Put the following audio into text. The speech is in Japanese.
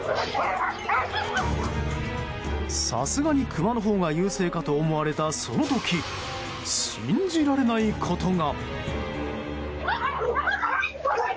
さすがにクマのほうが優勢かと思われた、その時信じられないことが。